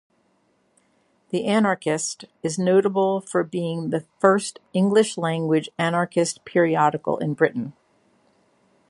"The Anarchist" is notable for being the first English-language Anarchist periodical in Britain.